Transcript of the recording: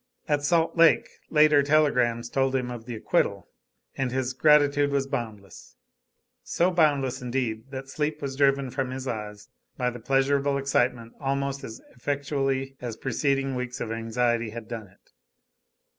At Salt Lake later telegrams told him of the acquittal, and his gratitude was boundless so boundless, indeed, that sleep was driven from his eyes by the pleasurable excitement almost as effectually as preceding weeks of anxiety had done it.